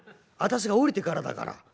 私が下りてからだから。